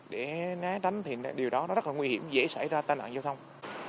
để náy tránh thì điều đó rất là nguy hiểm dễ xảy ra tai nạn giao thông